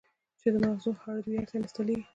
چې د مزغو هارډوئېر ته انسټاليږي